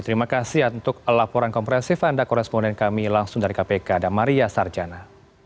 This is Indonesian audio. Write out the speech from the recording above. terima kasih untuk laporan kompresif anda koresponden kami langsung dari kpk damaria sarjana